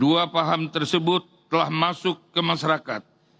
dua paham tersebut telah masuk ke masyarakat